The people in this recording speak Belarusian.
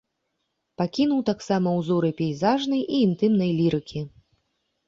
Пакінуў таксама ўзоры пейзажнай і інтымнай лірыкі.